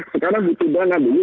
sekarang butuh dana dulu